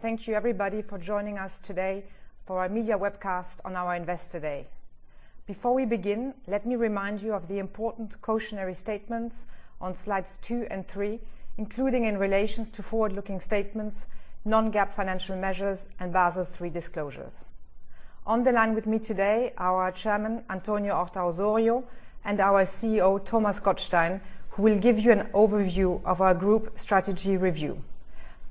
Thank you everybody for joining us today for our media webcast on our Investor Day. Before we begin, let me remind you of the important cautionary statements on slides 2 and 3, including in relation to forward-looking statements, non-GAAP financial measures and Basel III disclosures. On the line with me today, our chairman, António Horta-Osório, and our CEO, Thomas Gottstein, who will give you an overview of our group strategy review.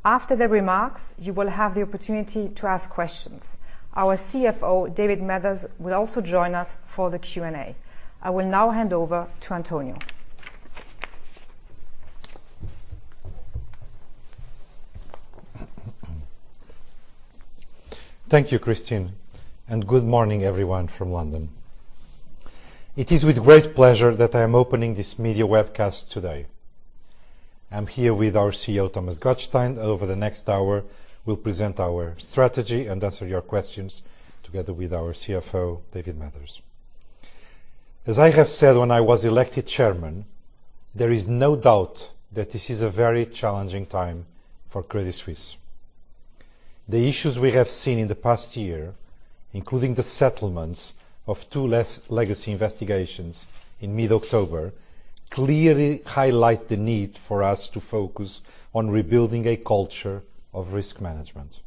After the remarks, you will have the opportunity to ask questions. Our CFO, David Mathers, will also join us for the Q&A. I will now hand over to António. Thank you, Christine, and good morning, everyone from London. It is with great pleasure that I am opening this media webcast today. I'm here with our CEO, Thomas Gottstein, and over the next hour we'll present our strategy and answer your questions together with our CFO, David Mathers. As I have said when I was elected chairman, there is no doubt that this is a very challenging time for Credit Suisse. The issues we have seen in the past year, including the settlements of two legacy investigations in mid-October, clearly highlight the need for us to focus on rebuilding a culture of risk management.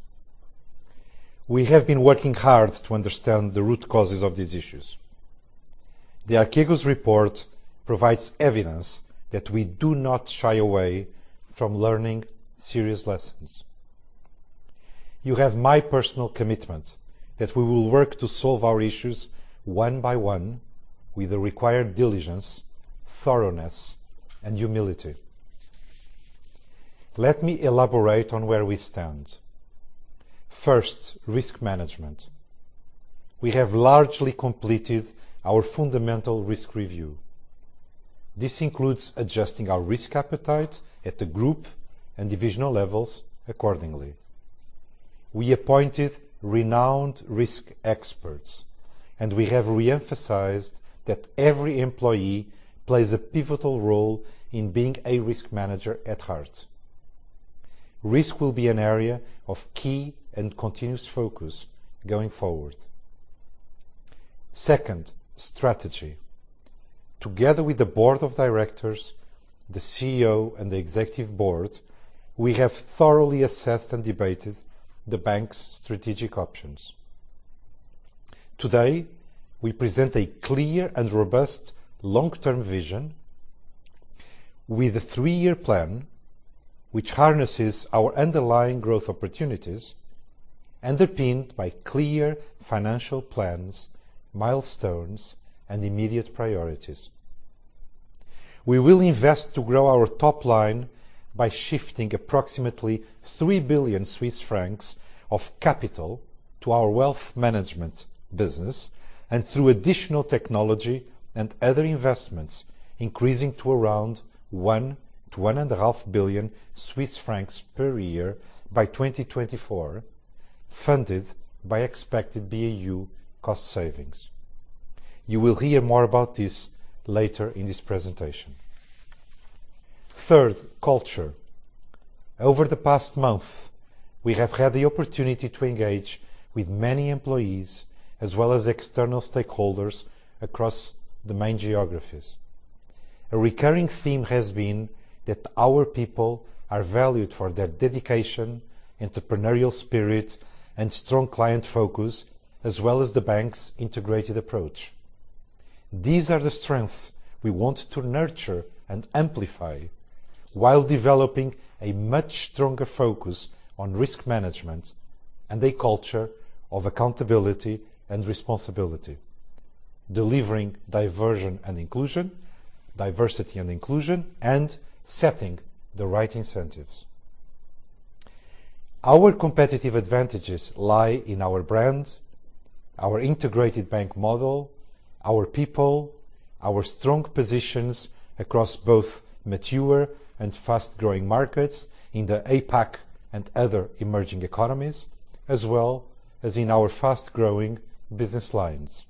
We have been working hard to understand the root causes of these issues. The Archegos report provides evidence that we do not shy away from learning serious lessons. You have my personal commitment that we will work to solve our issues one by one with the required diligence, thoroughness, and humility. Let me elaborate on where we stand. First, risk management. We have largely completed our fundamental risk review. This includes adjusting our risk appetite at the group and divisional levels accordingly. We appointed renowned risk experts, and we have re-emphasized that every employee plays a pivotal role in being a risk manager at heart. Risk will be an area of key and continuous focus going forward. Second, strategy. Together with the Board of Directors, the CEO, and the Executive Board, we have thoroughly assessed and debated the bank's strategic options. Today, we present a clear and robust long-term vision with a three-year plan which harnesses our underlying growth opportunities, underpinned by clear financial plans, milestones, and immediate priorities. We will invest to grow our top line by shifting approximately 3 billion Swiss francs of capital to our wealth management business and through additional technology and other investments, increasing to around 1 billion-1.5 billion Swiss francs per year by 2024, funded by expected BAU cost savings. You will hear more about this later in this presentation. Third, culture. Over the past month, we have had the opportunity to engage with many employees as well as external stakeholders across the main geographies. A recurring theme has been that our people are valued for their dedication, entrepreneurial spirit, and strong client focus, as well as the bank's integrated approach. These are the strengths we want to nurture and amplify while developing a much stronger focus on risk management and a culture of accountability and responsibility, delivering diversity and inclusion, and setting the right incentives. Our competitive advantages lie in our brand, our integrated bank model, our people, our strong positions across both mature and fast-growing markets in the APAC and other emerging economies, as well as in our fast-growing business lines.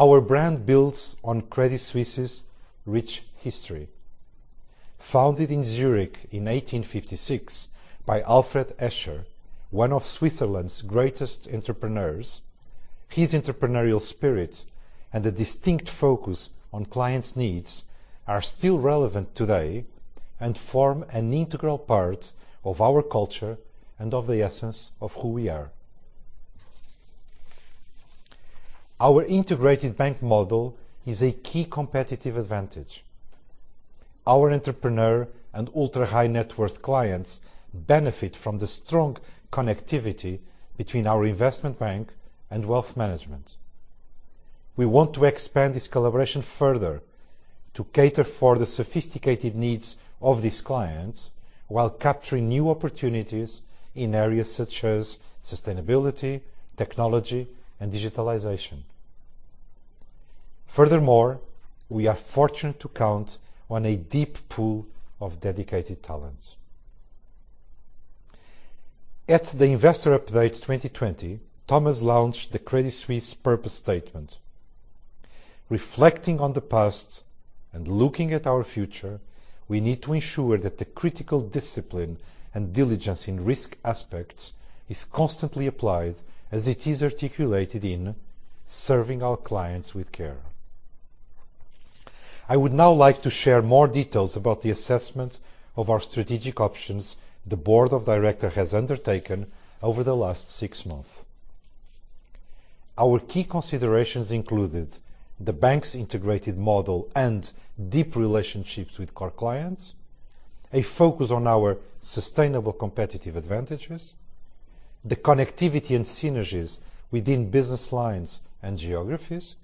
Our brand builds on Credit Suisse's rich history. Founded in Zurich in 1856 by Alfred Escher, one of Switzerland's greatest entrepreneurs, his entrepreneurial spirit and a distinct focus on clients' needs are still relevant today and form an integral part of our culture and of the essence of who we are. Our integrated bank model is a key competitive advantage. Our entrepreneur and ultra-high-net-worth clients benefit from the strong connectivity between our investment bank and wealth management. We want to expand this collaboration further to cater for the sophisticated needs of these clients while capturing new opportunities in areas such as sustainability, technology, and digitalization. Furthermore, we are fortunate to count on a deep pool of dedicated talent. At the Investor Update 2020, Thomas launched the Credit Suisse purpose statement. Reflecting on the past and looking at our future, we need to ensure that the critical discipline and diligence in risk aspects is constantly applied as it is articulated in serving our clients with care. I would now like to share more details about the assessment of our strategic options the board of directors has undertaken over the last six months. Our key considerations included the bank's integrated model and deep relationships with core clients, a focus on our sustainable competitive advantages, the connectivity and synergies within business lines and geographies,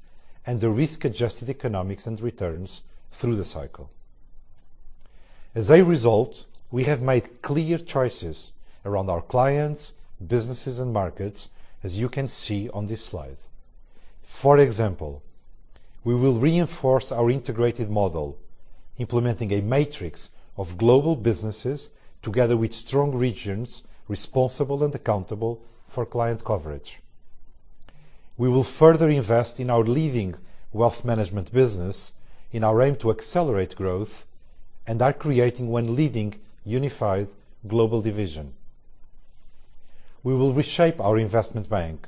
and the risk-adjusted economics and returns through the cycle. As a result, we have made clear choices around our clients, businesses, and markets as you can see on this slide. For example, we will reinforce our integrated model, implementing a matrix of global businesses together with strong regions responsible and accountable for client coverage. We will further invest in our leading wealth management business in our aim to accelerate growth and are creating one leading unified global division. We will reshape our investment bank,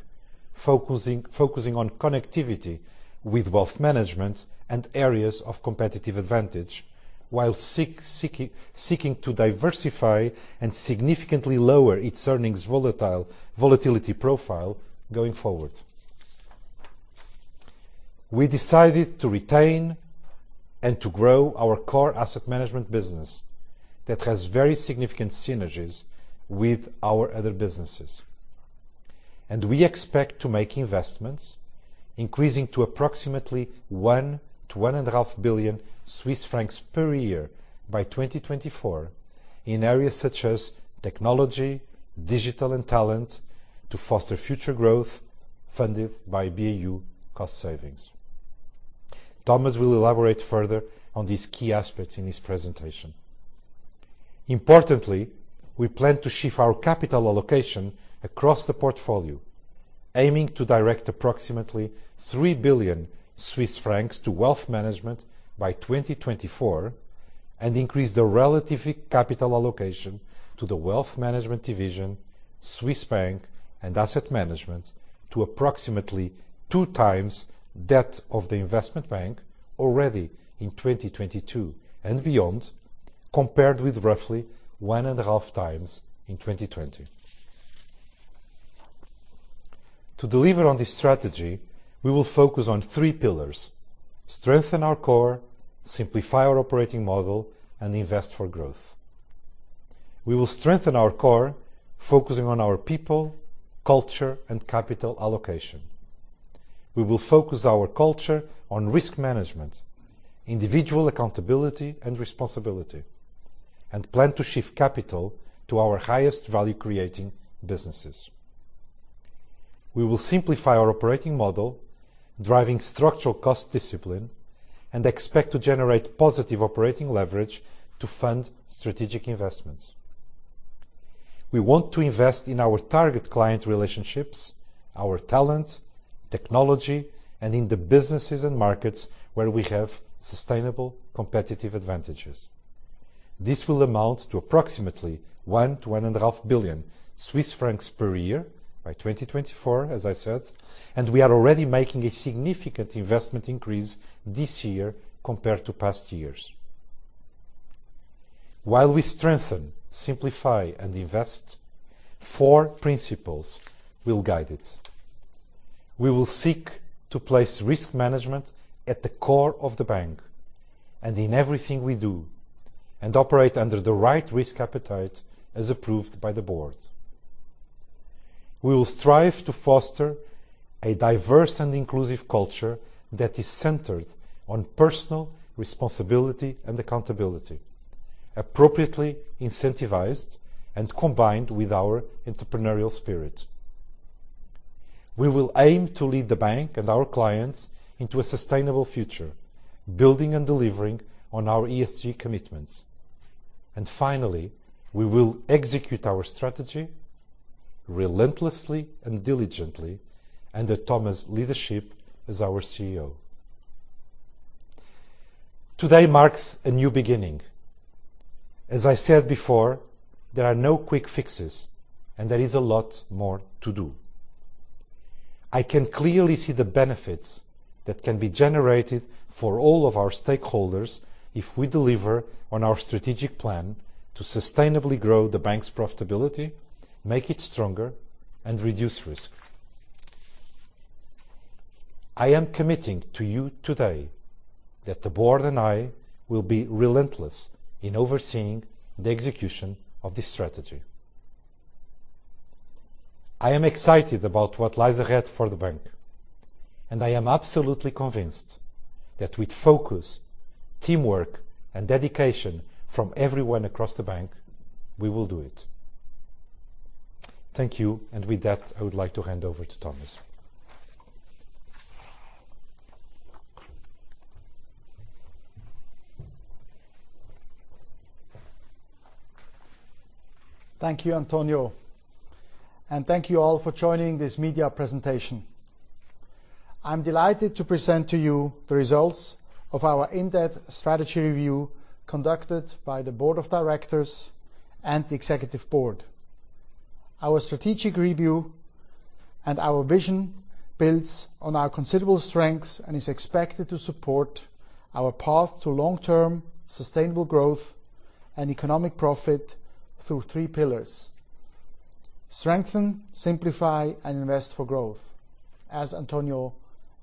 focusing on connectivity with wealth management and areas of competitive advantage while seeking to diversify and significantly lower its earnings volatility profile going forward. We decided to retain and to grow our core asset management business that has very significant synergies with our other businesses, and we expect to make investments increasing to approximately 1 billion-1.5 billion Swiss francs per year by 2024 in areas such as technology, digital, and talent to foster future growth funded by BAU cost savings. Thomas will elaborate further on these key aspects in his presentation. Importantly, we plan to shift our capital allocation across the portfolio, aiming to direct approximately 3 billion Swiss francs to Wealth Management by 2024 and increase the relative capital allocation to the Wealth Management division, Swiss Bank and Asset Management to approximately two times that of the Investment Bank already in 2022 and beyond, compared with roughly 1.5 times in 2020. To deliver on this strategy, we will focus on three pillars, strengthen our core, simplify our operating model, and invest for growth. We will strengthen our core focusing on our people, culture, and capital allocation. We will focus our culture on risk management, individual accountability and responsibility, and plan to shift capital to our highest value-creating businesses. We will simplify our operating model, driving structural cost discipline, and expect to generate positive operating leverage to fund strategic investments. We want to invest in our target client relationships, our talent, technology, and in the businesses and markets where we have sustainable competitive advantages. This will amount to approximately 1 billion-1.5 billion Swiss francs per year by 2024, as I said, and we are already making a significant investment increase this year compared to past years. While we strengthen, simplify, and invest, four principles will guide it. We will seek to place risk management at the core of the bank and in everything we do and operate under the right risk appetite as approved by the board. We will strive to foster a diverse and inclusive culture that is centered on personal responsibility and accountability, appropriately incentivized, and combined with our entrepreneurial spirit. We will aim to lead the bank and our clients into a sustainable future, building and delivering on our ESG commitments. Finally, we will execute our strategy relentlessly and diligently under Thomas' leadership as our CEO. Today marks a new beginning. As I said before, there are no quick fixes, and there is a lot more to do. I can clearly see the benefits that can be generated for all of our stakeholders if we deliver on our strategic plan to sustainably grow the bank's profitability, make it stronger, and reduce risk. I am committing to you today that the board and I will be relentless in overseeing the execution of this strategy. I am excited about what lies ahead for the bank, and I am absolutely convinced that with focus, teamwork, and dedication from everyone across the bank, we will do it. Thank you. With that, I would like to hand over to Thomas. Thank you, António. Thank you all for joining this media presentation. I'm delighted to present to you the results of our in-depth strategy review conducted by the Board of Directors and the Executive Board. Our strategic review and our vision builds on our considerable strengths and is expected to support our path to long-term sustainable growth and economic profit through three pillars; strengthen, simplify, and invest for growth, as António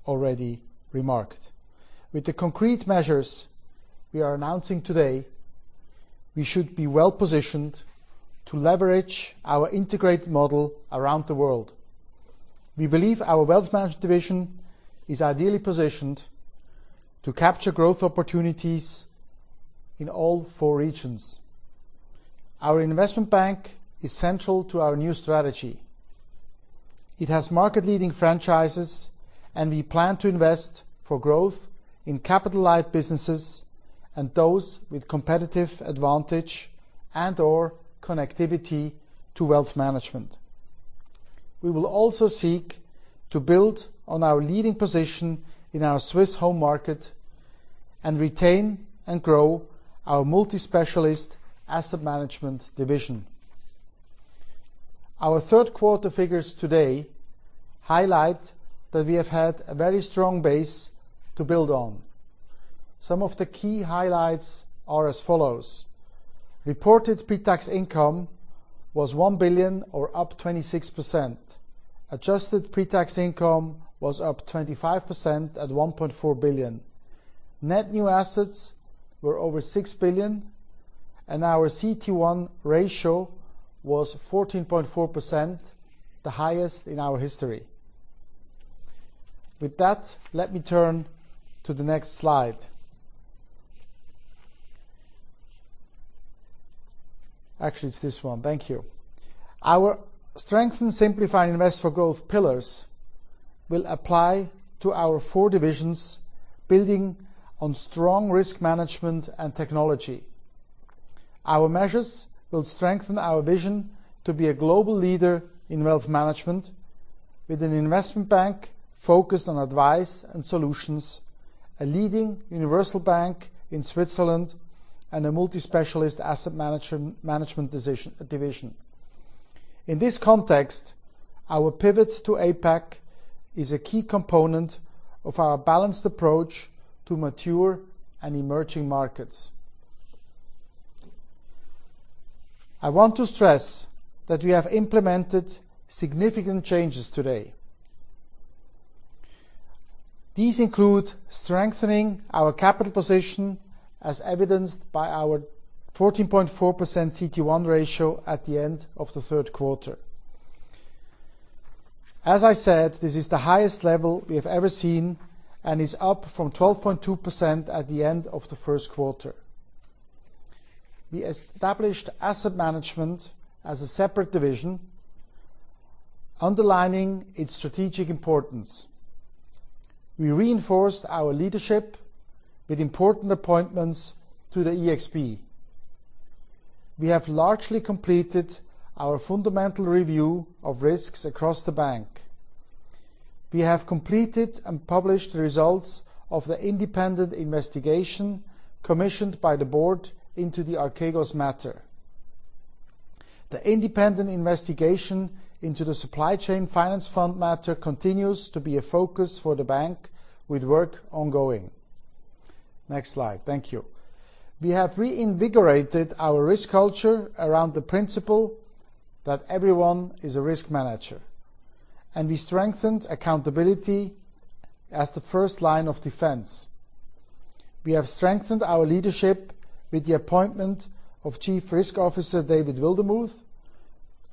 already remarked. With the concrete measures we are announcing today, we should be well-positioned to leverage our integrated model around the world. We believe our Wealth Management Division is ideally positioned to capture growth opportunities in all four regions. Our Investment Bank is central to our new strategy. It has market-leading franchises, and we plan to invest for growth in capital-light businesses and those with competitive advantage and/or connectivity to Wealth Management. We will also seek to build on our leading position in our Swiss home market and retain and grow our multi-specialist asset management division. Our third quarter figures today highlight that we have had a very strong base to build on. Some of the key highlights are as follows. Reported pre-tax income was 1 billion or up 26%. Adjusted pre-tax income was up 25% at 1.4 billion. Net new assets were over 6 billion, and our CET1 ratio was 14.4%, the highest in our history. With that, let me turn to the next slide. Actually, it's this one. Thank you. Our strength and simplify and invest for growth pillars will apply to our four divisions, building on strong risk management and technology. Our measures will strengthen our vision to be a global leader in wealth management with an investment bank focused on advice and solutions, a leading universal bank in Switzerland, and a multi-specialist asset management division. In this context, our pivot to APAC is a key component of our balanced approach to mature and emerging markets. I want to stress that we have implemented significant changes today. These include strengthening our capital position as evidenced by our 14.4% CET1 ratio at the end of the third quarter. As I said, this is the highest level we have ever seen and is up from 12.2% at the end of the first quarter. We established asset management as a separate division, underlining its strategic importance. We reinforced our leadership with important appointments to the ExB. We have largely completed our fundamental review of risks across the bank. We have completed and published results of the independent investigation commissioned by the board into the Archegos matter. The independent investigation into the Supply Chain Finance Fund matter continues to be a focus for the bank with work ongoing. Next slide. Thank you. We have reinvigorated our risk culture around the principle that everyone is a risk manager, and we strengthened accountability as the first line of defense. We have strengthened our leadership with the appointment of Chief Risk Officer David Wildermuth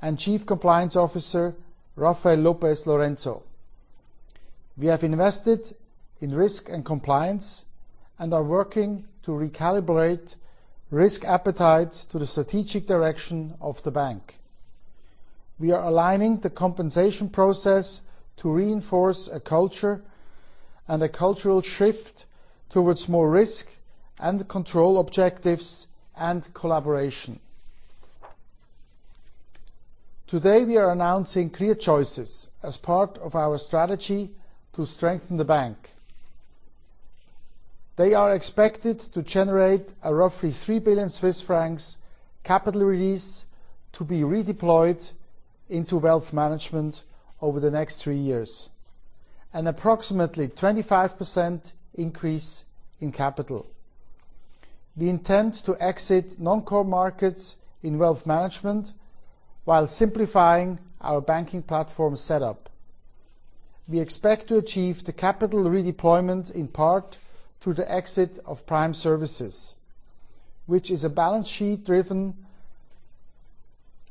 and Chief Compliance Officer Rafael Lopez Lorenzo. We have invested in risk and compliance and are working to recalibrate risk appetite to the strategic direction of the bank. We are aligning the compensation process to reinforce a culture and a cultural shift towards more risk and control objectives and collaboration. Today, we are announcing clear choices as part of our strategy to strengthen the bank. They are expected to generate a roughly 3 billion Swiss francs capital release to be redeployed into wealth management over the next three years, an approximately 25% increase in capital. We intend to exit non-core markets in wealth management while simplifying our banking platform setup. We expect to achieve the capital redeployment in part through the exit of Prime Services, which is a balance sheet-driven,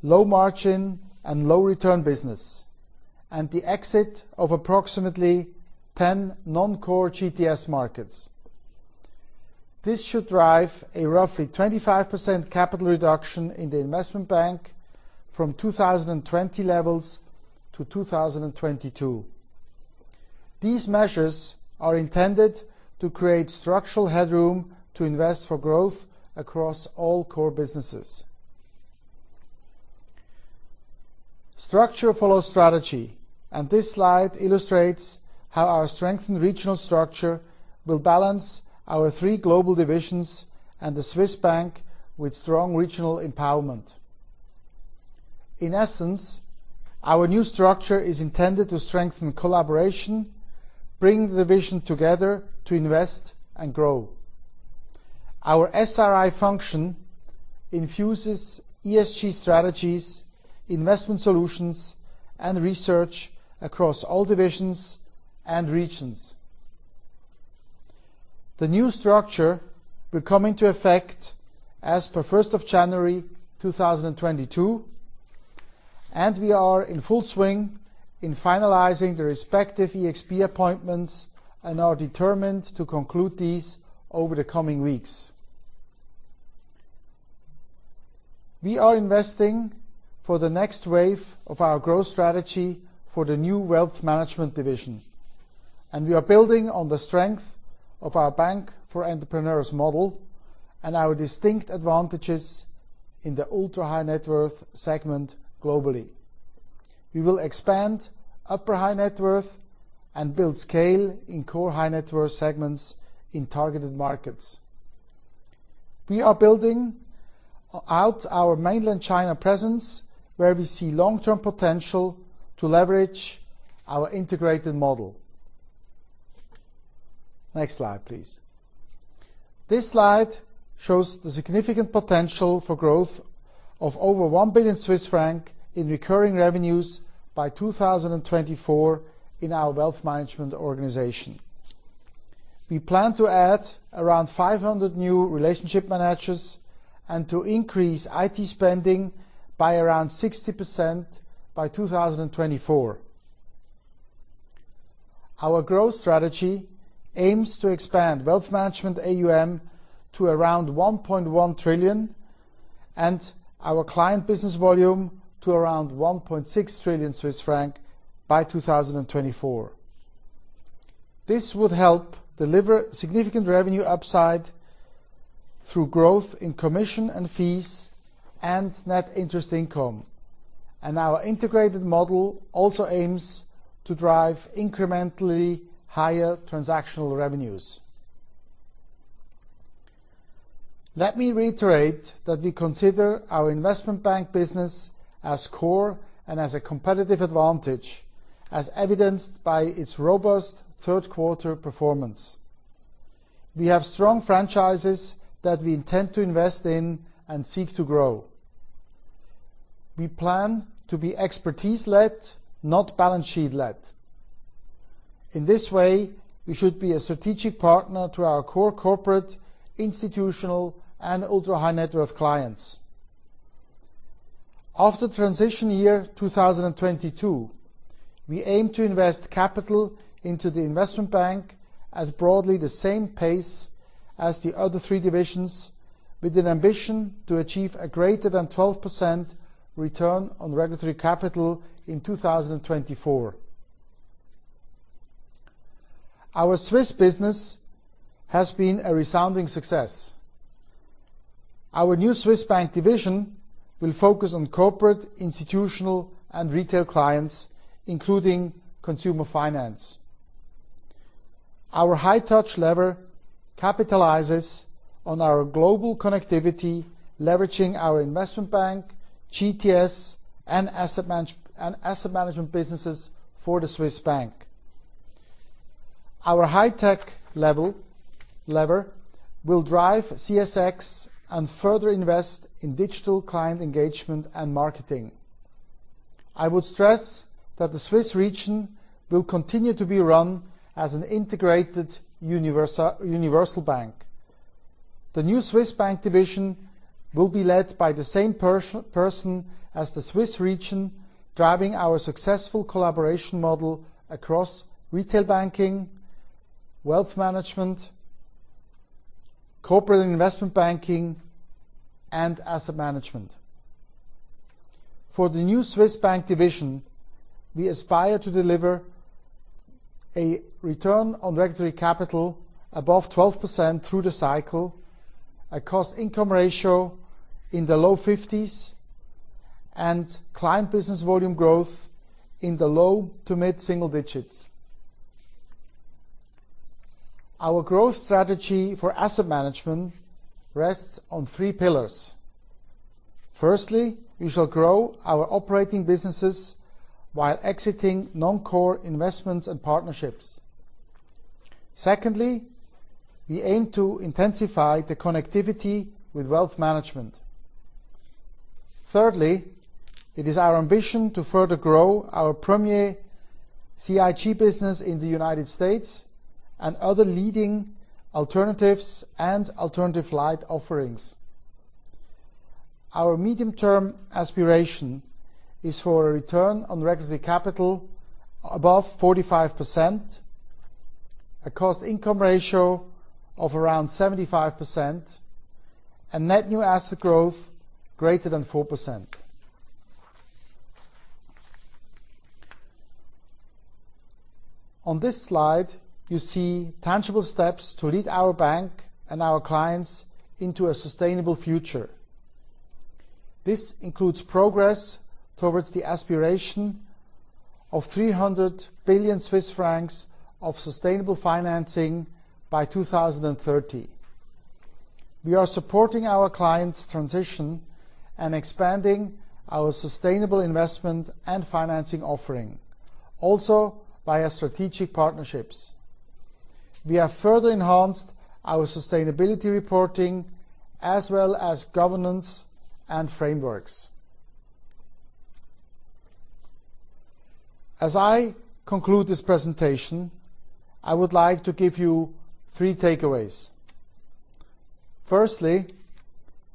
low margin, and low return business, and the exit of approximately 10 non-core GTS markets. This should drive a roughly 25% capital reduction in the Investment Bank from 2020 levels to 2022. These measures are intended to create structural headroom to invest for growth across all core businesses. Structure follows strategy, and this slide illustrates how our strengthened regional structure will balance our three global divisions and the Swiss bank with strong regional empowerment. In essence, our new structure is intended to strengthen collaboration, bring the vision together to invest and grow. Our SRI function infuses ESG strategies, investment solutions, and research across all divisions and regions. The new structure will come into effect as per January 1st, 2022, and we are in full swing in finalizing the respective ExB appointments and are determined to conclude these over the coming weeks. We are investing for the next wave of our growth strategy for the new wealth management division, and we are building on the strength of our bank for entrepreneurs model and our distinct advantages in the ultra-high net worth segment globally. We will expand upper high net worth and build scale in core high net worth segments in targeted markets. We are building out our Mainland China presence, where we see long-term potential to leverage our integrated model. Next slide, please. This slide shows the significant potential for growth of over 1 billion Swiss franc in recurring revenues by 2024 in our wealth management organization. We plan to add around 500 new relationship managers and to increase IT spending by around 60% by 2024. Our growth strategy aims to expand wealth management AUM to around 1.1 trillion and our client business volume to around 1.6 trillion Swiss franc by 2024. This would help deliver significant revenue upside through growth in commission and fees and net interest income. Our integrated model also aims to drive incrementally higher transactional revenues. Let me reiterate that we consider our investment bank business as core and as a competitive advantage, as evidenced by its robust third quarter performance. We have strong franchises that we intend to invest in and seek to grow. We plan to be expertise led, not balance sheet led. In this way, we should be a strategic partner to our core corporate, institutional, and ultra-high net worth clients. After transition year 2022, we aim to invest capital into the investment bank at broadly the same pace as the other three divisions, with an ambition to achieve a greater than 12% return on regulatory capital in 2024. Our Swiss business has been a resounding success. Our new Swiss bank division will focus on corporate, institutional, and retail clients, including consumer finance. Our high touch lever capitalizes on our global connectivity, leveraging our investment bank, GTS, and asset management businesses for the Swiss bank. Our high tech lever will drive CSX and further invest in digital client engagement and marketing. I would stress that the Swiss region will continue to be run as an integrated universal bank. The new Swiss bank division will be led by the same person as the Swiss region, driving our successful collaboration model across retail banking, wealth management, corporate investment banking, and asset management. For the new Swiss bank division, we aspire to deliver a return on regulatory capital above 12% through the cycle, a cost income ratio in the low 50s, and client business volume growth in the low- to mid-single digits. Our growth strategy for asset management rests on three pillars. Firstly, we shall grow our operating businesses while exiting non-core investments and partnerships. Secondly, we aim to intensify the connectivity with wealth management. Thirdly, it is our ambition to further grow our premier CIG business in the United States and other leading alternatives and alternative light offerings. Our medium-term aspiration is for a return on regulatory capital above 45%, a cost income ratio of around 75%, and net new asset growth greater than 4%. On this slide, you see tangible steps to lead our bank and our clients into a sustainable future. This includes progress towards the aspiration of 300 billion Swiss francs of sustainable financing by 2030. We are supporting our clients' transition and expanding our sustainable investment and financing offering, also via strategic partnerships. We have further enhanced our sustainability reporting as well as governance and frameworks. As I conclude this presentation, I would like to give you three takeaways. Firstly,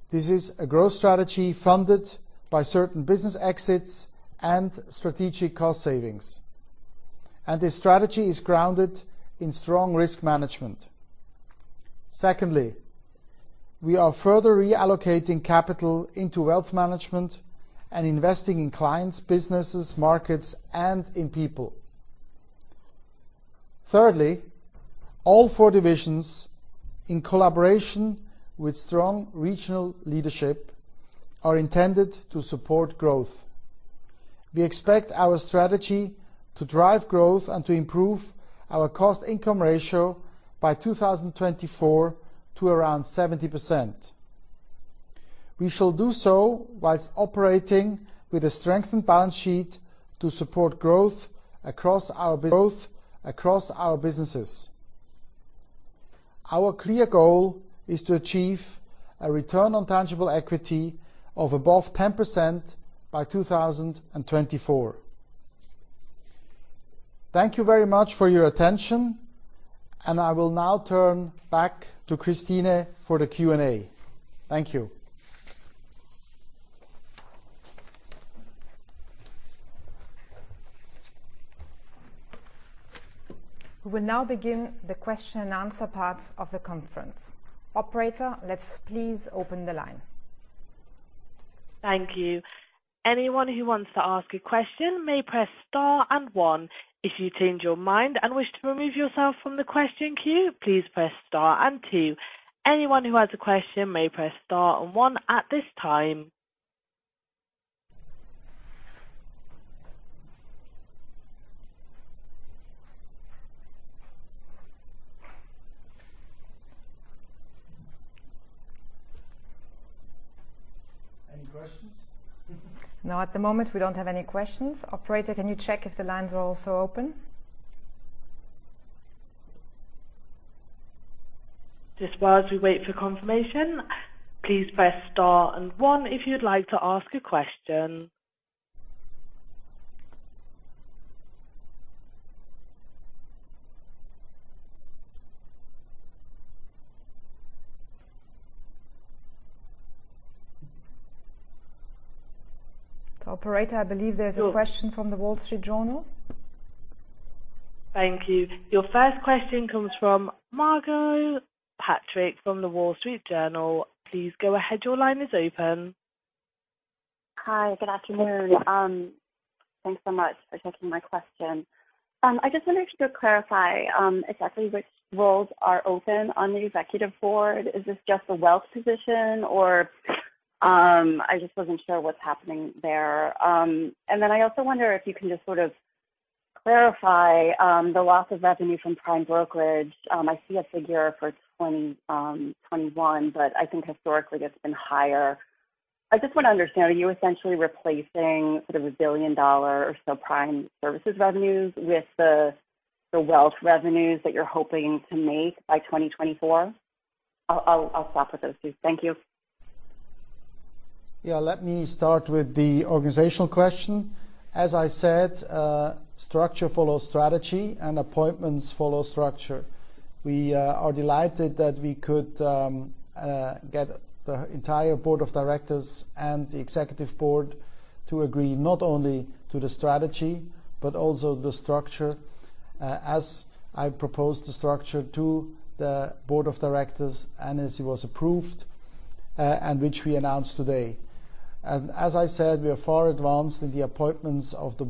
this is a growth strategy funded by certain business exits and strategic cost savings, and this strategy is grounded in strong risk management. Secondly, we are further reallocating capital into wealth management and investing in clients, businesses, markets, and in people. Thirdly, all four divisions, in collaboration with strong regional leadership, are intended to support growth. We expect our strategy to drive growth and to improve our cost-income ratio by 2024 to around 70%. We shall do so whilst operating with a strengthened balance sheet to support growth across our businesses. Our clear goal is to achieve a return on tangible equity of above 10% by 2024. Thank you very much for your attention, and I will now turn back to Christine for the Q&A. Thank you. We will now begin the question-and-answer part of the conference. Operator, let's please open the line. Thank you. Anyone who wants to ask a question may press star and one. If you change your mind and wish to remove yourself from the question queue, please press star and two. Anyone who has a question may press star and one at this time. Any questions? No, at the moment, we don't have any questions. Operator, can you check if the lines are also open? Just while we wait for confirmation, please press star and one if you'd like to ask a question. Operator, I believe there's a question from The Wall Street Journal. Thank you. Your first question comes from Margot Patrick from The Wall Street Journal. Please go ahead. Your line is open. Hi. Good afternoon. Thanks so much for taking my question. I just wondered if you could clarify exactly which roles are open on the Executive Board. Is this just the wealth position or I just wasn't sure what's happening there. And then I also wonder if you can just sort of clarify the loss of revenue from Prime Brokerage. I see a figure for 2021, but I think historically it's been higher. I just want to understand, are you essentially replacing sort of $1 billion or so Prime Services revenues with the wealth revenues that you're hoping to make by 2024? I'll stop with those, please. Thank you. Yeah. Let me start with the organizational question. As I said, structure follows strategy and appointments follow structure. We are delighted that we could get the entire Board of Directors and the Executive Board to agree not only to the strategy but also the structure, as I proposed the structure to the Board of Directors and as it was approved, and which we announced today. As I said, we are far advanced in the appointments of the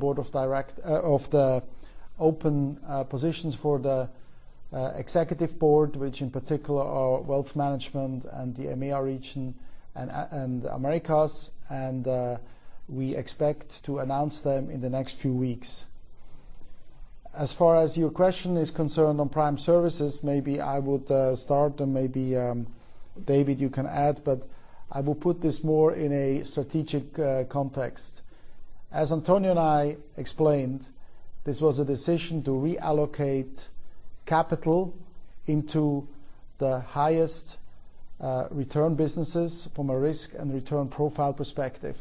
open positions for the Executive Board, which in particular are Wealth Management and the EMEA region and the Americas. We expect to announce them in the next few weeks. As far as your question is concerned on Prime Services, maybe I would start and maybe David, you can add, but I will put this more in a strategic context. As Antonio and I explained, this was a decision to reallocate capital into the highest return businesses from a risk and return profile perspective.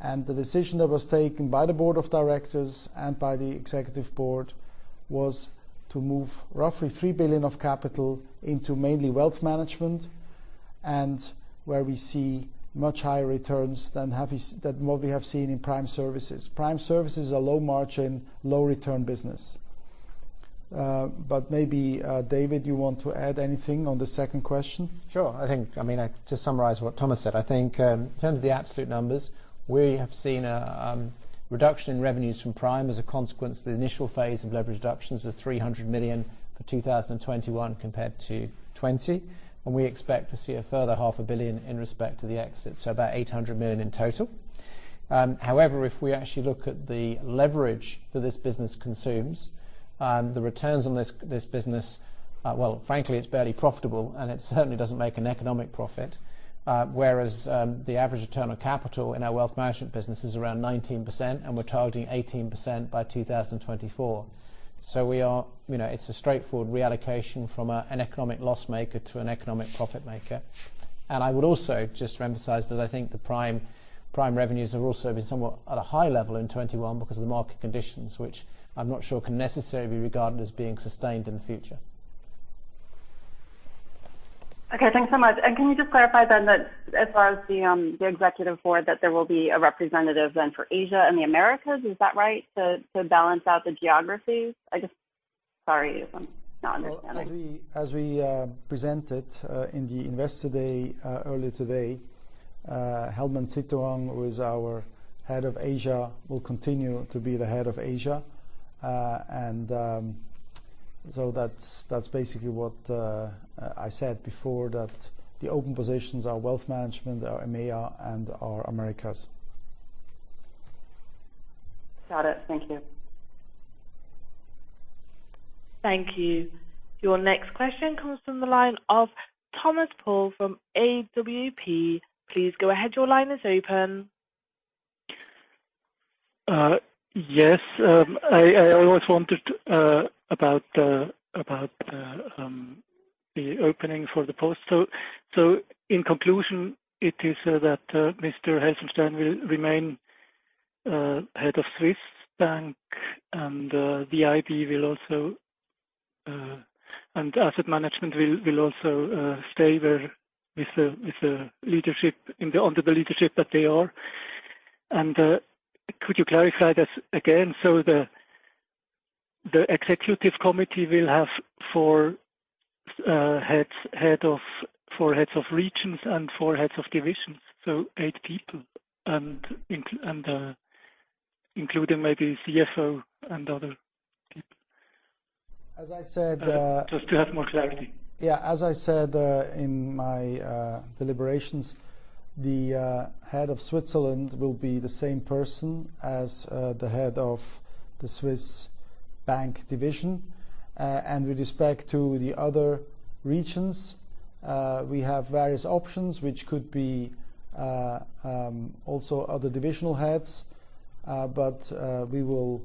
The decision that was taken by the Board of Directors and by the Executive Board was to move roughly 3 billion of capital into mainly wealth management and where we see much higher returns than what we have seen in Prime Services. Prime Services are low margin, low return business. But maybe David, you want to add anything on the second question? Sure. I think I mean, to summarize what Thomas said, I think, in terms of the absolute numbers, we have seen a reduction in revenues from prime as a consequence. The initial phase of leverage reductions of 300 million for 2021 compared to 2020, and we expect to see a further 500 million in respect to the exit, so about 800 million in total. However, if we actually look at the leverage that this business consumes, the returns on this business, well, frankly, it's barely profitable, and it certainly doesn't make an economic profit. Whereas, the average return on capital in our wealth management business is around 19%, and we're targeting 18% by 2024. We are You know, it's a straightforward reallocation from a, an economic loss maker to an economic profit maker. I would also just emphasize that I think the prime revenues have also been somewhat at a high level in 2021 because of the market conditions, which I'm not sure can necessarily be regarded as being sustained in the future. Okay. Thanks so much. Can you just clarify then that as far as the Executive Board, that there will be a representative then for Asia and the Americas, is that right, to balance out the geographies? Sorry if I'm not understanding. Well, as we presented in the Investor Day earlier today, Helman Sitohang who is our head of Asia will continue to be the head of Asia. That's basically what I said before, that the open positions are wealth management, are EMEA and are Americas. Got it. Thank you. Thank you. Your next question comes from the line of Thomas Pohl from AWP. Please go ahead. Your line is open. Yes. I always wanted about the opening for the post. In conclusion, it is that Mr. Helfenstein will remain Head of Swiss Bank and the IB will also, and asset management will also stay there with the leadership and under the leadership that they are. Could you clarify this again, so the executive committee will have four heads of regions and four heads of divisions, so eight people and including maybe CFO and other people. As I said. Just to have more clarity. Yeah. As I said in my deliberations, the Head of Switzerland will be the same person as the head of the Swiss Bank division. With respect to the other regions, we have various options, which could be also other divisional heads. We will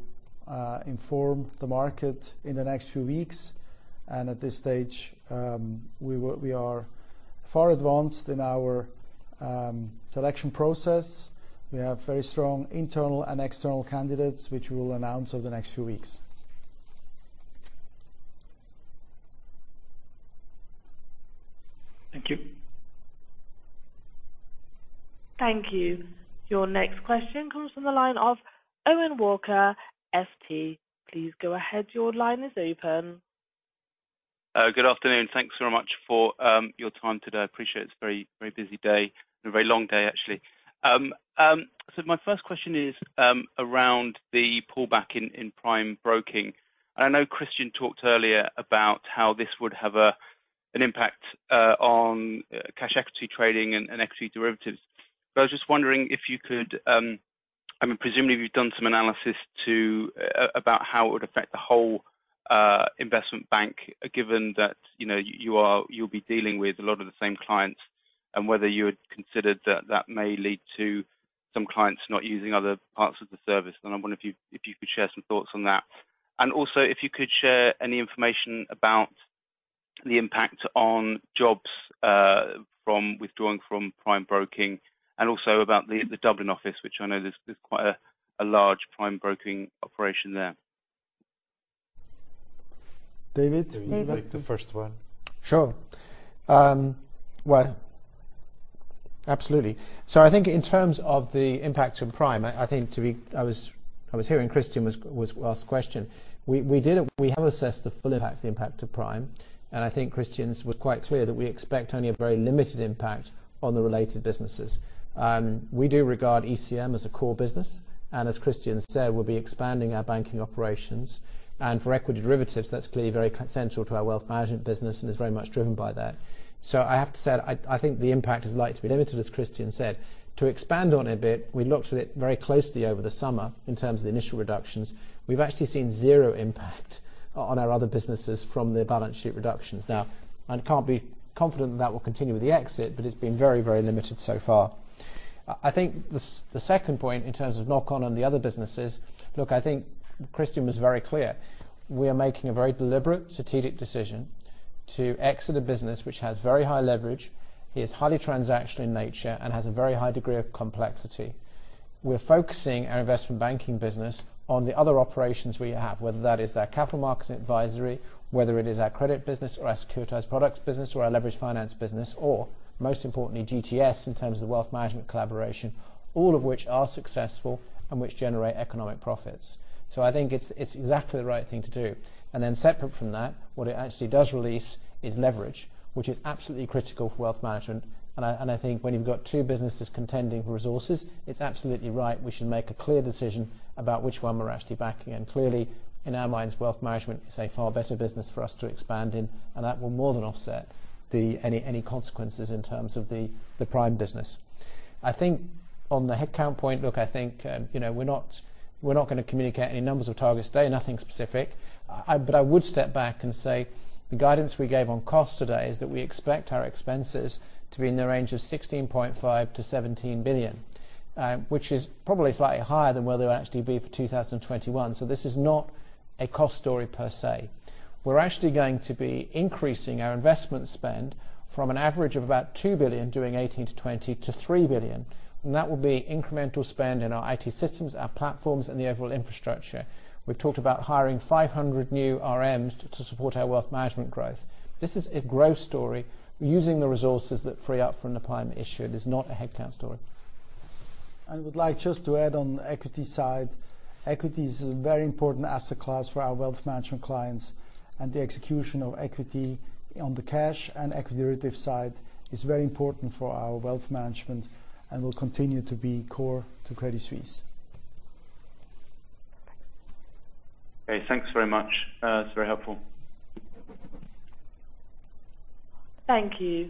inform the market in the next few weeks. At this stage, we are far advanced in our selection process. We have very strong internal and external candidates, which we'll announce over the next few weeks. Thank you. Thank you. Your next question comes from the line of Owen Walker, FT. Please go ahead. Your line is open. Good afternoon. Thanks very much for your time today. I appreciate it's a very busy day and a very long day, actually. My first question is around the pullback in prime brokerage. I know Christian talked earlier about how this would have an impact on cash equity trading and equity derivatives. I was just wondering if you could. I mean, presumably you've done some analysis about how it would affect the whole investment bank, given that you know you'll be dealing with a lot of the same clients and whether you had considered that that may lead to some clients not using other parts of the service. I wonder if you could share some thoughts on that. Also, if you could share any information about the impact on jobs from withdrawing from prime broking and also about the Dublin office, which I know there's quite a large prime broking operation there. David? David. Do you want to take the first one? Sure. Well, absolutely. I think in terms of the impact to prime. I was hearing Christian was asked the question. We have assessed the full impact to prime, and I think Christian was quite clear that we expect only a very limited impact on the related businesses. We do regard ECM as a core business, and as Christian said, we'll be expanding our banking operations. For equity derivatives, that's clearly very essential to our wealth management business and is very much driven by that. I have to say, I think the impact is likely to be limited, as Christian said. To expand on it a bit, we looked at it very closely over the summer in terms of the initial reductions. We've actually seen zero impact on our other businesses from the balance sheet reductions. Now, I can't be confident that will continue with the exit, but it's been very, very limited so far. I think the second point in terms of knock on the other businesses, look, I think Christian was very clear. We are making a very deliberate strategic decision to exit a business which has very high leverage, is highly transactional in nature, and has a very high degree of complexity. We're focusing our investment banking business on the other operations we have, whether that is our capital markets advisory, whether it is our credit business or our securitized products business, or our leverage finance business, or most importantly, GTS, in terms of the wealth management collaboration, all of which are successful and which generate economic profits. I think it's exactly the right thing to do. Separate from that, what it actually does release is leverage, which is absolutely critical for wealth management. I think when you've got two businesses contending for resources, it's absolutely right. We should make a clear decision about which one we're actually backing. Clearly, in our minds, wealth management is a far better business for us to expand in, and that will more than offset any consequences in terms of the Prime business. I think on the headcount point, look, I think, you know, we're not gonna communicate any numbers or targets today, nothing specific. I would step back and say the guidance we gave on costs today is that we expect our expenses to be in the range of 16.5 billion-17 billion, which is probably slightly higher than where they'll actually be for 2021. This is not a cost story per se. We're actually going to be increasing our investment spend from an average of about 2 billion during 2018-2020 to 3 billion, and that will be incremental spend in our IT systems, our platforms, and the overall infrastructure. We've talked about hiring 500 new RMs to support our wealth management growth. This is a growth story using the resources that free up from the Prime issue. It is not a headcount story. I would like just to add on the equity side, equity is a very important asset class for our wealth management clients, and the execution of equity on the cash and equity derivative side is very important for our wealth management and will continue to be core to Credit Suisse. Okay, thanks very much. It's very helpful. Thank you.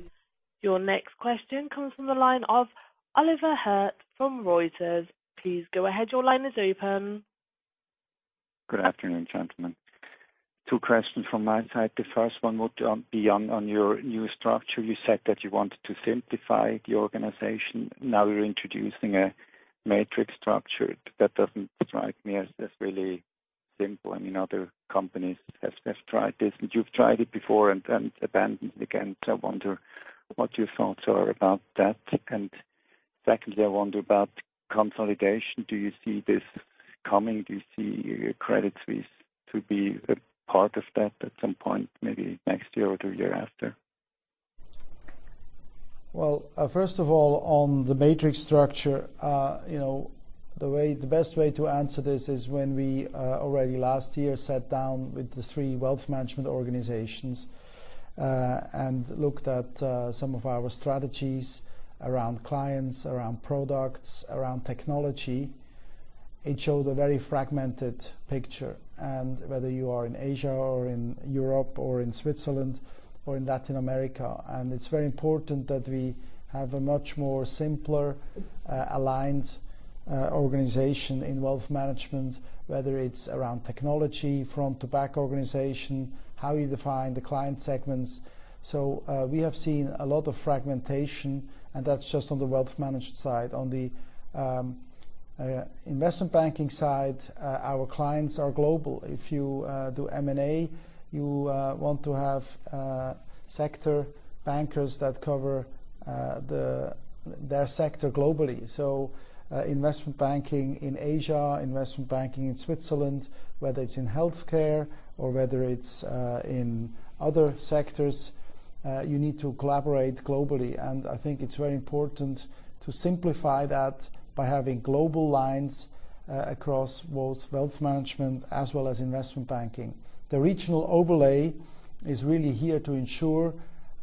Your next question comes from the line of Oliver Hirt from Reuters. Please go ahead. Your line is open. Good afternoon, gentlemen. Two questions from my side. The first one would be on your new structure. You said that you wanted to simplify the organization. Now you're introducing a matrix structure. That doesn't strike me as really simple. I mean, other companies have tried this, and you've tried it before and abandoned again. So I wonder what your thoughts are about that. Secondly, I wonder about consolidation. Do you see this coming? Do you see Credit Suisse to be a part of that at some point, maybe next year or the year after? Well, first of all, on the matrix structure, you know, the way, the best way to answer this is when we already last year sat down with the three wealth management organizations, and looked at some of our strategies around clients, around products, around technology. It showed a very fragmented picture, and whether you are in Asia or in Europe or in Switzerland or in Latin America, and it's very important that we have a much more simpler, aligned, organization in wealth management, whether it's around technology, front to back organization, how you define the client segments. We have seen a lot of fragmentation, and that's just on the wealth management side. On the investment banking side, our clients are global. If you do M&A, you want to have sector bankers that cover their sector globally. So investment banking in Asia, investment banking in Switzerland, whether it's in healthcare or whether it's in other sectors, you need to collaborate globally. I think it's very important to simplify that by having global lines across both wealth management as well as investment banking. The regional overlay is really here to ensure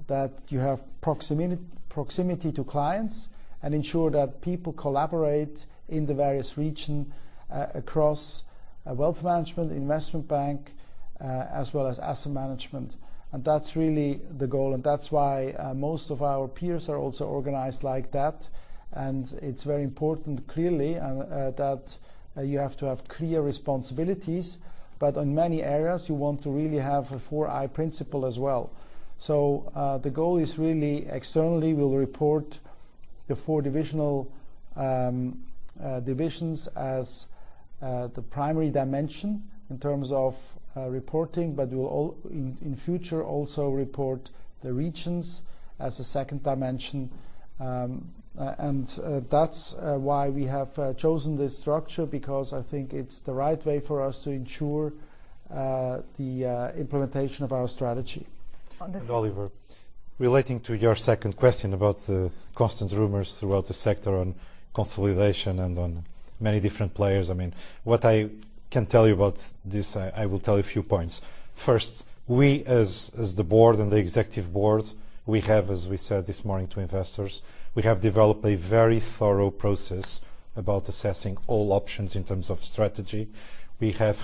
that you have proximity to clients and ensure that people collaborate in the various regions across wealth management, investment banking as well as asset management. That's really the goal, and that's why most of our peers are also organized like that. It's very important, clearly, that you have to have clear responsibilities, but in many areas, you want to really have a four-eye principle as well. The goal is really externally, we'll report the four divisional divisions as the primary dimension in terms of reporting, but we'll in future also report the regions as a second dimension. That's why we have chosen this structure, because I think it's the right way for us to ensure the implementation of our strategy. On this- Oliver, relating to your second question about the constant rumors throughout the sector on consolidation and on many different players, I mean, what I can tell you about this, I will tell you a few points. First, we as the Board and the Executive Board, we have, as we said this morning to investors, we have developed a very thorough process about assessing all options in terms of strategy. We have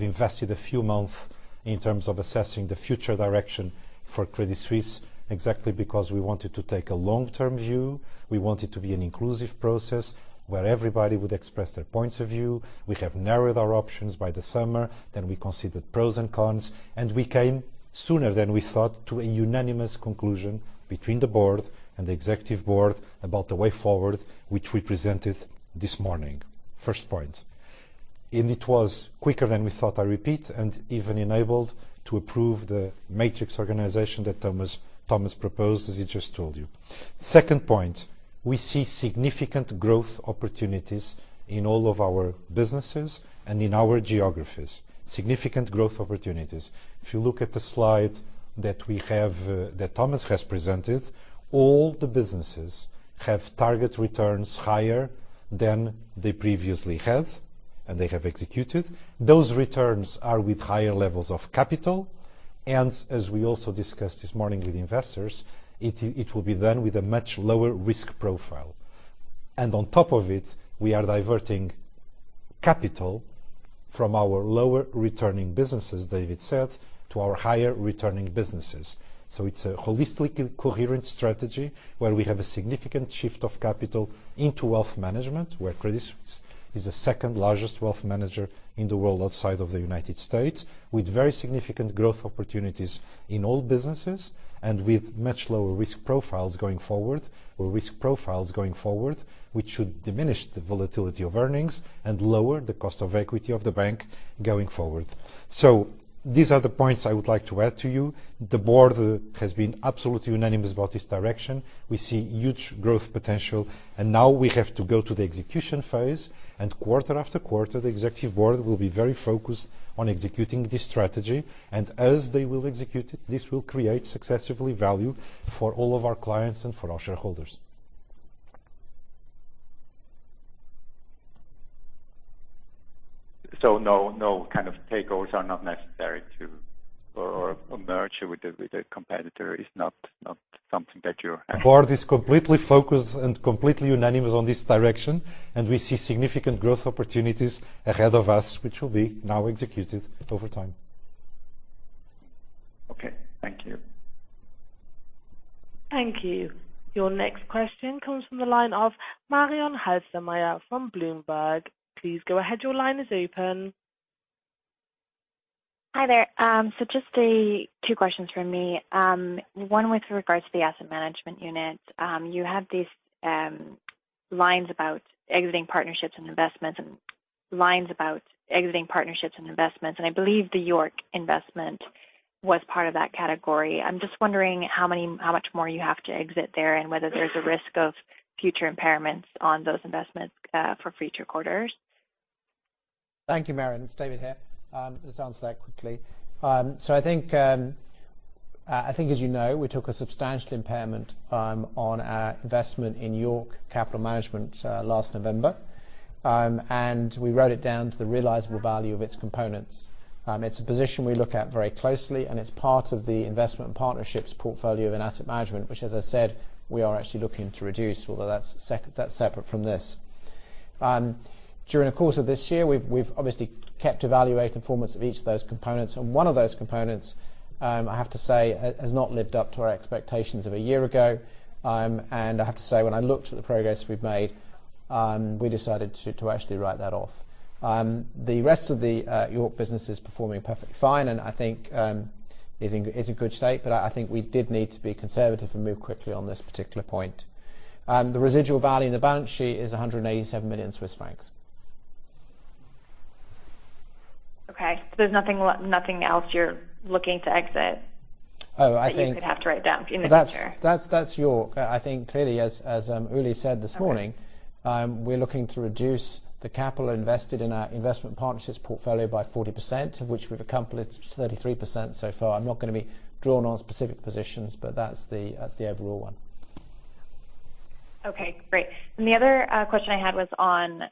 invested a few months in terms of assessing the future direction for Credit Suisse, exactly because we wanted to take a long-term view. We want it to be an inclusive process, where everybody would express their points of view. We have narrowed our options by the summer, then we considered pros and cons, and we came sooner than we thought to a unanimous conclusion between the board and the Executive Board about the way forward, which we presented this morning. First point. It was quicker than we thought, I repeat, and even enabled to approve the matrix organization that Thomas proposed, as he just told you. Second point, we see significant growth opportunities in all of our businesses and in our geographies. Significant growth opportunities. If you look at the slide that we have, that Thomas has presented, all the businesses have target returns higher than they previously had, and they have executed. Those returns are with higher levels of capital, and as we also discussed this morning with investors, it will be done with a much lower risk profile. On top of it, we are diverting capital from our lower returning businesses, David said, to our higher returning businesses. It's a holistically coherent strategy where we have a significant shift of capital into wealth management, where Credit Suisse is the second-largest wealth manager in the world outside of the United States, with very significant growth opportunities in all businesses and with much lower risk profiles going forward, which should diminish the volatility of earnings and lower the cost of equity of the bank going forward. These are the points I would like to add to you. The board has been absolutely unanimous about this direction. We see huge growth potential, and now we have to go to the execution phase. Quarter after quarter, the executive board will be very focused on executing this strategy. As they will execute it, this will create successively value for all of our clients and for our shareholders. No kind of takeovers are not necessary, or a merger with a competitor is not something that you're The board is completely focused and completely unanimous on this direction, and we see significant growth opportunities ahead of us, which will be now executed over time. Okay. Thank you. Thank you. Your next question comes from the line of Marion Halftermeyer from Bloomberg. Please go ahead. Your line is open. Hi there. Just two questions from me. One with regards to the Asset Management unit. You have these lines about exiting partnerships and investments, and I believe the York investment was part of that category. I'm just wondering how much more you have to exit there and whether there's a risk of future impairments on those investments for future quarters. Thank you, Marion. It's David here. To answer that quickly. I think as you know, we took a substantial impairment on our investment in York Capital Management last November. We wrote it down to the realizable value of its components. It's a position we look at very closely, and it's part of the investment and partnerships portfolio in asset management, which, as I said, we are actually looking to reduce, although that's separate from this. During the course of this year, we've obviously kept evaluating performance of each of those components, and one of those components, I have to say, has not lived up to our expectations of a year ago. I have to say, when I looked at the progress we've made, we decided to actually write that off. The rest of the York business is performing perfectly fine and I think is in good state, but I think we did need to be conservative and move quickly on this particular point. The residual value in the balance sheet is 187 million Swiss francs. Okay. There's nothing else you're looking to exit. Oh, I think. That you could have to write down in the future. That's York. I think clearly as Uli said this morning- Okay. We're looking to reduce the capital invested in our investment partnerships portfolio by 40%, of which we've accomplished 33% so far. I'm not gonna be drawn on specific positions, but that's the overall one. Okay, great. The other question I had was on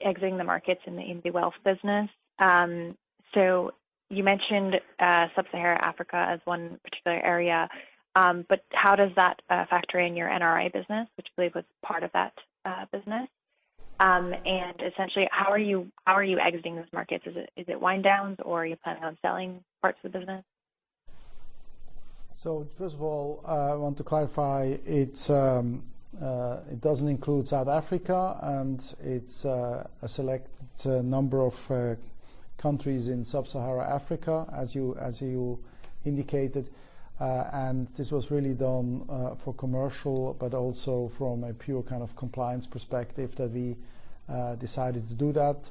exiting the markets in the UB wealth business. So you mentioned Sub-Saharan Africa as one particular area, but how does that factor in your NRI business, which I believe was part of that business? Essentially how are you exiting those markets? Is it wind downs or are you planning on selling parts of the business? First of all, I want to clarify. It doesn't include South Africa, and it's a select number of countries in Sub-Saharan Africa, as you indicated. This was really done for commercial, but also from a pure kind of compliance perspective that we decided to do that.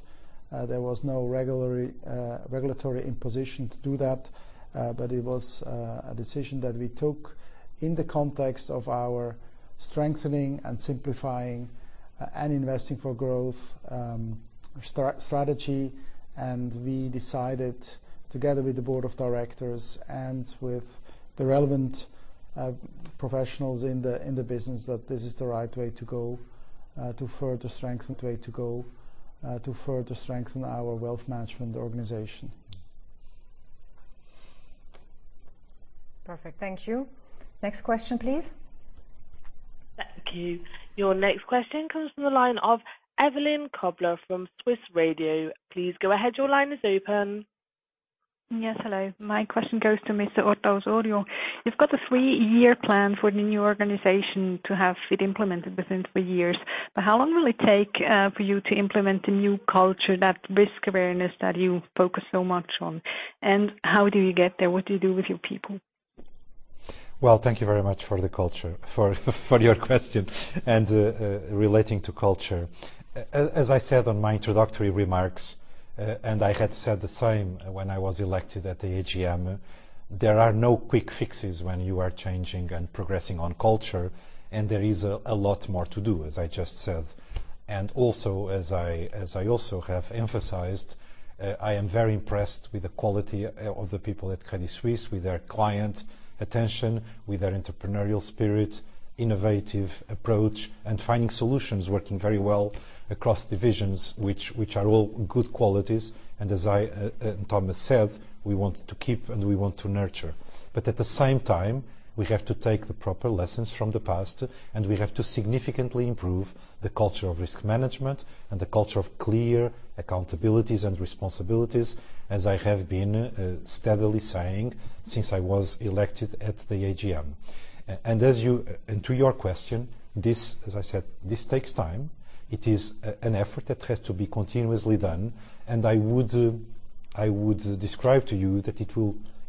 There was no regulatory imposition to do that, but it was a decision that we took in the context of our strengthening and simplifying and investing for growth strategy. We decided together with the board of directors and with the relevant professionals in the business that this is the right way to go to further strengthen our wealth management organization. Perfect. Thank you. Next question, please. Thank you. Your next question comes from the line of Eveline Kobler from Swiss Radio. Please go ahead. Your line is open. Yes. Hello. My question goes to Mr. António Horta-Osório. You've got a three-year plan for the new organization to have it implemented within three years, but how long will it take for you to implement the new culture, that risk awareness that you focus so much on? How do you get there? What do you do with your people? Well, thank you very much for the culture, for your question and relating to culture. As I said on my introductory remarks, and I had said the same when I was elected at the AGM, there are no quick fixes when you are changing and progressing on culture, and there is a lot more to do, as I just said. Also, as I also have emphasized, I am very impressed with the quality of the people at Credit Suisse, with their client attention, with their entrepreneurial spirit, innovative approach, and finding solutions working very well across divisions, which are all good qualities and as Thomas said, we want to keep and we want to nurture. At the same time, we have to take the proper lessons from the past, and we have to significantly improve the culture of risk management and the culture of clear accountabilities and responsibilities, as I have been steadily saying since I was elected at the AGM. To your question, this, as I said, this takes time. It is an effort that has to be continuously done, and I would describe to you that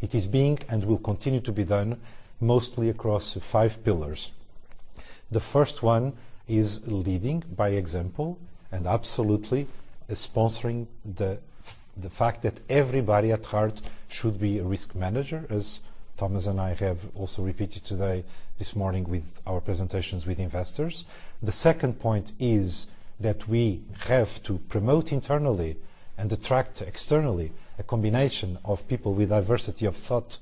it is being and will continue to be done mostly across five pillars. The first one is leading by example and absolutely sponsoring the fact that everybody at heart should be a risk manager, as Thomas and I have also repeated today, this morning, with our presentations with investors. The second point is that we have to promote internally and attract externally a combination of people with diversity of thought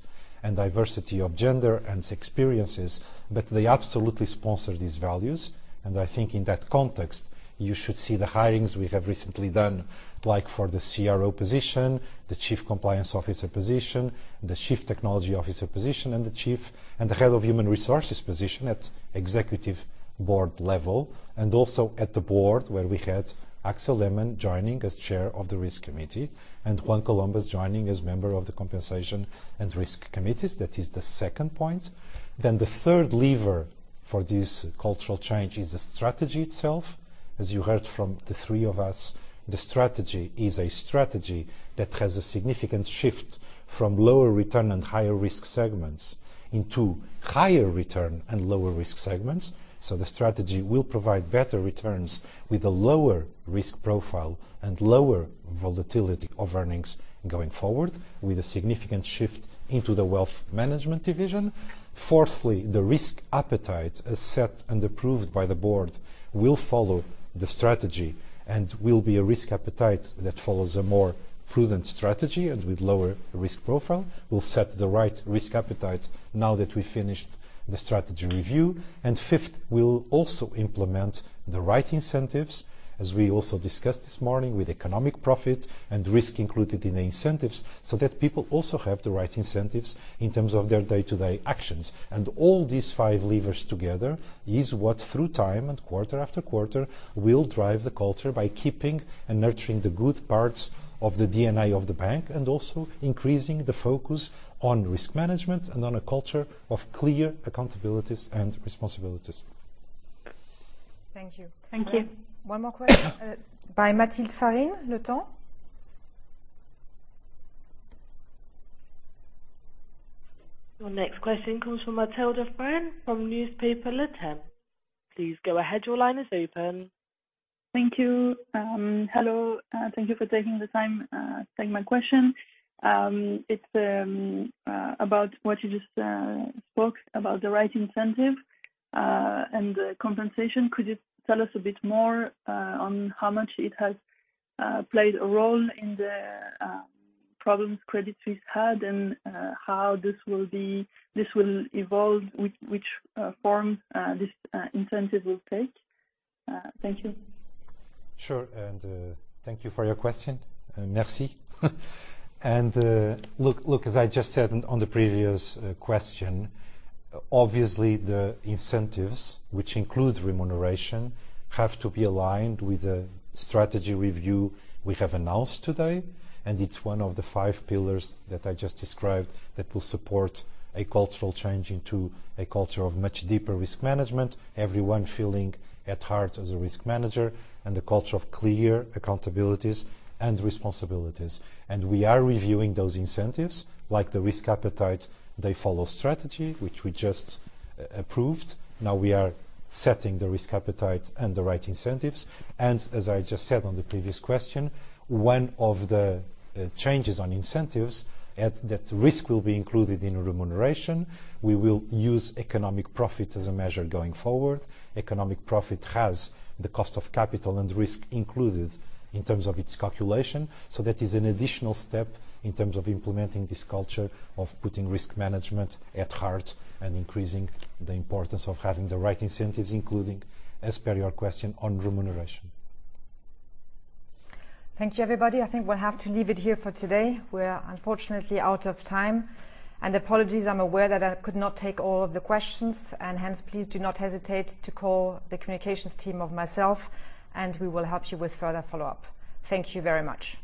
and diversity of gender and experiences, but they absolutely sponsor these values. I think in that context, you should see the hirings we have recently done, like for the CRO position, the chief compliance officer position, the chief technology officer position, and the chief and the head of human resources position at executive board level, and also at the board, where we had Axel Lehmann joining as chair of the risk committee and Juan Colombas joining as member of the compensation and risk committees. That is the second point. The third lever for this cultural change is the strategy itself. As you heard from the three of us, the strategy is a strategy that has a significant shift from lower return and higher risk segments into higher return and lower risk segments. The strategy will provide better returns with a lower risk profile and lower volatility of earnings going forward, with a significant shift into the wealth management division. Fourthly, the risk appetite, as set and approved by the board, will follow the strategy and will be a risk appetite that follows a more prudent strategy and with lower risk profile. We'll set the right risk appetite now that we finished the strategy review. Fifth, we'll also implement the right incentives, as we also discussed this morning, with economic profit and risk included in the incentives, so that people also have the right incentives in terms of their day-to-day actions. All these five levers together is what, through time and quarter after quarter, will drive the culture by keeping and nurturing the good parts of the DNA of the bank and also increasing the focus on risk management and on a culture of clear accountabilities and responsibilities. Thank you. Thank you. One more question by Mathilde Farine, Le Temps. Your next question comes from Mathilde Farine from newspaper Le Temps. Please go ahead, your line is open. Thank you. Hello, thank you for taking the time, taking my question. It's about what you just spoke about the right incentive and the compensation. Could you tell us a bit more on how much it has played a role in the problems Credit Suisse had, and how this will evolve, which form this incentive will take? Thank you. Sure, thank you for your question, and merci. Look, as I just said on the previous question, obviously the incentives, which includes remuneration, have to be aligned with the strategy review we have announced today. It's one of the five pillars that I just described that will support a cultural change into a culture of much deeper risk management, everyone feeling at heart as a risk manager and a culture of clear accountabilities and responsibilities. We are reviewing those incentives. Like the risk appetite, they follow strategy, which we just approved. Now we are setting the risk appetite and the right incentives. As I just said on the previous question, one of the changes on incentives is that risk will be included in remuneration. We will use economic profit as a measure going forward. Economic profit has the cost of capital and risk included in terms of its calculation. That is an additional step in terms of implementing this culture of putting risk management at heart and increasing the importance of having the right incentives, including, as per your question, on remuneration. Thank you, everybody. I think we'll have to leave it here for today. We're unfortunately out of time. Apologies, I'm aware that I could not take all of the questions, and hence, please do not hesitate to call the communications team of myself, and we will help you with further follow-up. Thank you very much.